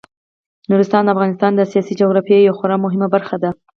نورستان د افغانستان د سیاسي جغرافیې یوه خورا مهمه برخه ده.